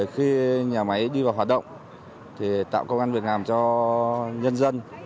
khi nhà máy đi vào hoạt động thì tạo công an việc làm cho nhân dân